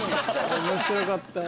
面白かった！